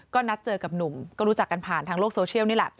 ก็นัดเจอกับหนุ่มก็รู้จักกันผ่านทางโลกโซเชียลนี่แหละ